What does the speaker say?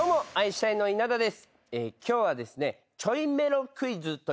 今日はですね。